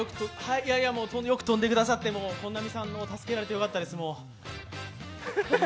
よく跳んでくださって、本並さんに助けられてよかったです。